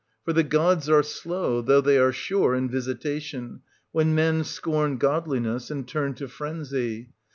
For the gods are slow, though they are sure, in visitation, when men scorn godliness, and turn to frenzy.